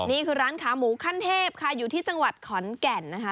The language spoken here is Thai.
นี่คือร้านขาหมูขั้นเทพค่ะอยู่ที่จังหวัดขอนแก่นนะคะ